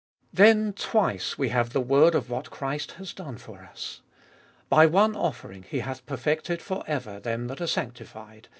Then twice we have the word of what Christ has done for us. By one offering He hath perfected for ever them that are sanctified (x.